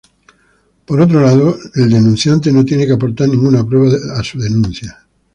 Por otro lado, el denunciante no tiene que aportar ninguna prueba a su denuncia.